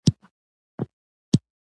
د غږ توپیر دی